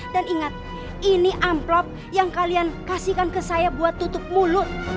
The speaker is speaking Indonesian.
dan ingat ini amplop yang kalian kasihkan ke saya buat tutup mulut